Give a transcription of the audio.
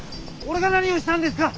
俺が何をしたんですか！